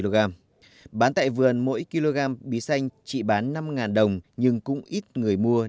gần mỗi kg bí xanh chỉ bán năm đồng nhưng cũng ít người mua